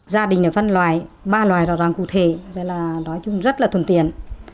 gia đình đã phân loại ba loại rác thải cụ thể nói chung rất là thuận tiện